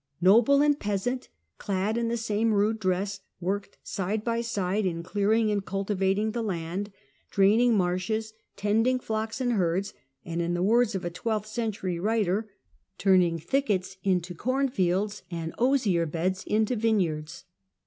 Noble and peasant, clad in the same rude dress, worked side by side in clearing and cultivating the land, draining marshes, tending flocks and herds, and, in the words of a twelfth century writer " turning thickets into cornfields, and osier beds into vineyards."